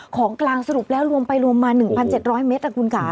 ของกลางสรุปแล้วรวมไปรวมมา๑๗๐๐เมตรคุณค่ะ